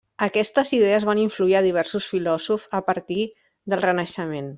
Aquestes idees van influir a diversos filòsofs a partir del renaixement.